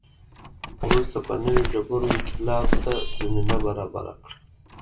وروسته یې نوې ډبرې انقلاب ته زمینه برابره کړه.